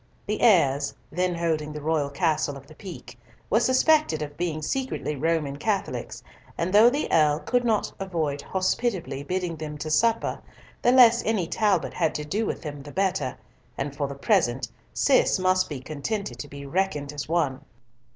The Eyres, then holding the royal castle of the Peak, were suspected of being secretly Roman Catholics, and though the Earl could not avoid hospitably bidding them to supper, the less any Talbot had to do with them the better, and for the present Cis must be contented to be reckoned as one.